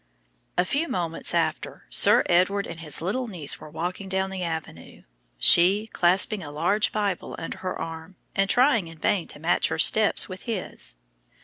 A few moments after, Sir Edward and his little niece were walking down the avenue, she clasping a large Bible under her arm, and trying in vain to match her steps with his.